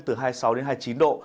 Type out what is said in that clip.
từ hai mươi sáu đến hai mươi chín độ